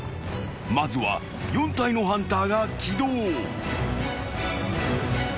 ［まずは４体のハンターが起動］